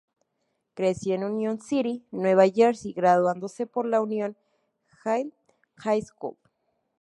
Creció en Union City, Nueva Jersey, graduándose por la Union Hill High School.